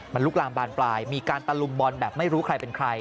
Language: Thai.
มันลุกลามบานปลายมีการตะลุมบอลแบบไม่รู้ใครเป็นใคร